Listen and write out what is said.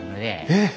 えっ！